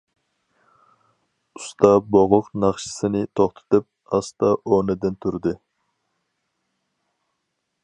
ئۇستا بوغۇق ناخشىسىنى توختىتىپ، ئاستا ئورنىدىن تۇردى.